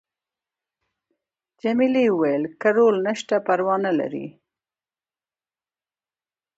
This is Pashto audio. جميلې وويل:: که رول نشته پروا نه لري.